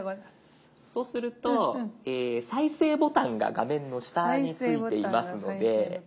そうすると再生ボタンが画面の下についていますので。